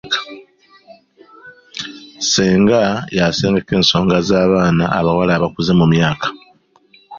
Ssenga y'asengeka ensonga z'abaana abawala abakuze mu myaka.